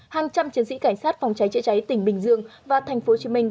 hàng trăm chiến sĩ cảnh sát phòng cháy chữa cháy tỉnh bình dương và thành phố hồ chí minh